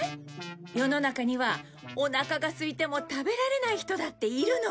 世の中にはおなかがすいても食べられない人だっているの。